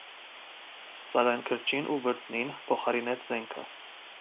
Սակայն գրչին ու վրձնին փոխարինեց զենքը։